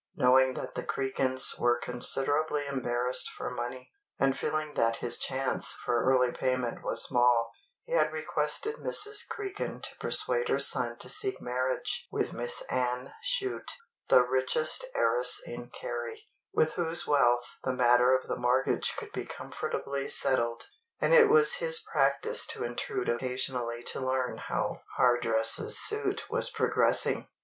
Knowing that the Cregans were considerably embarrassed for money, and feeling that his chance for early payment was small, he had requested Mrs. Cregan to persuade her son to seek marriage with Miss Anne Chute, the richest heiress in Kerry, with whose wealth the matter of the mortgage could be comfortably settled; and it was his practice to intrude occasionally to learn how Hardress's suit was progressing.